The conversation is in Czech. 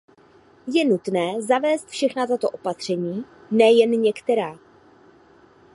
Je nutné zavést všechna tato opatření, ne jen některá.